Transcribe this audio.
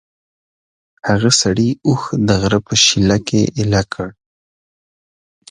هغه سړي اوښ د غره په شېله کې ایله کړ.